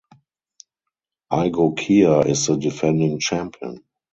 Igokea is the defending champion.